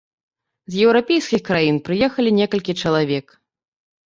З еўрапейскіх краін прыехалі некалькі чалавек.